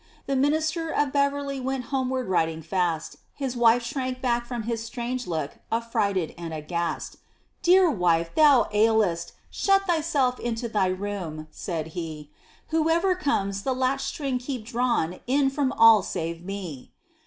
The minister of Beverly went homeward riding fast; His wife shrank back from his strange look, affrighted and aghast. "Dear wife thou ailest! Shut thyself into thy room!" said he; "Whoever comes, the latch string keep drawn in from all save me!"